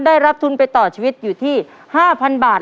ได้รับทุนไปต่อชีวิตอยู่ที่๕๐๐๐บาท